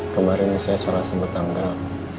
kemarin saya salah sebut tanggal